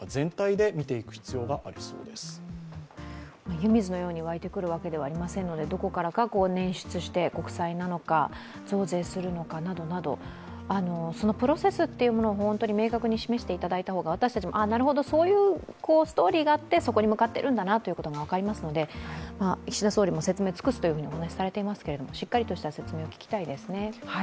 湯水のように沸いてくるわけではありませんので、どこからか捻出して、国債なのか、増税するのかなどそのプロセスというものを明確に示していただいた方が私たちもなるほど、そういうストーリーがあってそこに向かっているんだなと分かりますので、岸田総理も説明尽くすとお話しされていますけどしっかりとした説明を聞きたいですね。